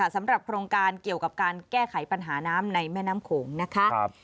สำหรับโครงการเกี่ยวกับการแก้ไขปัญหาน้ำในแม่น้ำโขงนะคะ